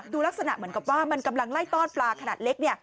ลักษณะเหมือนกับว่ามันกำลังไล่ต้อนปลาขนาดเล็ก